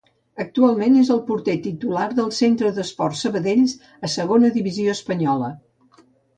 Actualment és el porter titular del Centre d'Esports Sabadell, a Segona Divisió espanyola.